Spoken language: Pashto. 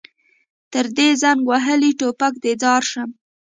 تر دې زنګ وهلي ټوپک دې ځار شم.